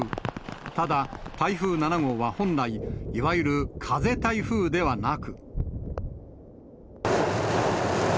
ただ、台風７号は本来、いわゆる風台風ではなく。